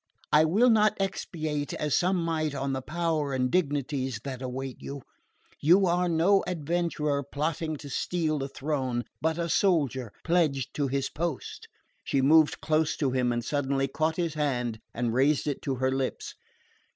I will not expatiate, as some might, on the power and dignities that await you. You are no adventurer plotting to steal a throne, but a soldier pledged to his post." She moved close to him and suddenly caught his hand and raised it to her lips.